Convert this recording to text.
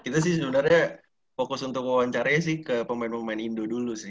kita sih sebenarnya fokus untuk wawancaranya sih ke pemain pemain indo dulu sih